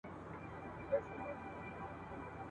دا د شیخانو له دستاره سره نه جوړیږي !.